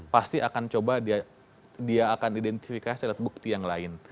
pasti akan coba dia akan identifikasi alat bukti yang lain